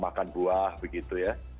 makan buah begitu ya